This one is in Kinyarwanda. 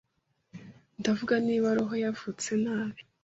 Ndavuga niba roho yavutse nabi